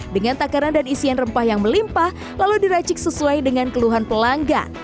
dengan takaran dan isian rempah yang melimpah lalu diracik sesuai dengan keluhan pelanggan